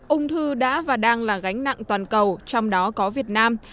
ung thư đã và đang là gánh nặng toàn cầu trong đó có việt nam